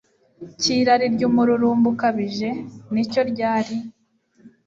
cyirari ryumururumba ukabije ni cyo ryari